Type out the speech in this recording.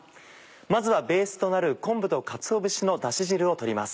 まずはベースとなる昆布とかつお節のダシ汁を取ります。